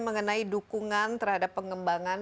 mengenai dukungan terhadap pengembangan